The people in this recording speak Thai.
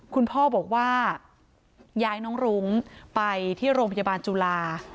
คุณพ่อบอกว่าย้ายน้องรุ้งไปที่โรงพยาบาลจุฬา